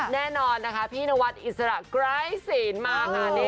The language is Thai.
แน่นอนนะคะพี่นวัดอิสระไกรศีลมากค่ะ